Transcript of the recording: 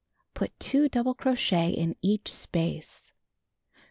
Put 2 double crochet in each space.